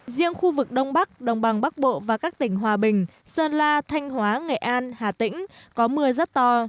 riêng khu vực đông bắc đồng bằng bắc bộ và các tỉnh hòa bình sơn la thanh hóa nghệ an hà tĩnh có mưa rất to